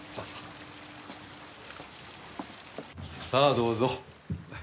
さあどうぞ。